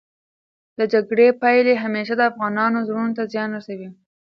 د جګړې پايلې همېشه د افغانانو زړونو ته زیان رسوي.